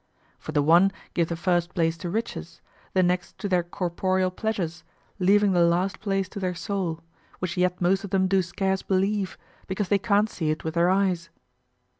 For the one give the first place to riches, the next to their corporeal pleasures, leaving the last place to their soul, which yet most of them do scarce believe, because they can't see it with their eyes.